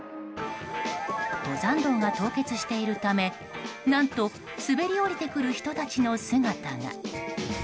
登山道が凍結しているため何と滑り降りてくる人たちの姿が。